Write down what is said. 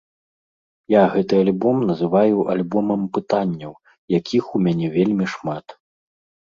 Я гэты альбом называю альбомам пытанняў, якіх у мяне вельмі шмат.